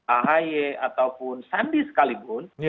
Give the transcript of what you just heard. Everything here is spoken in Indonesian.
ahy ataupun sandi sekalipun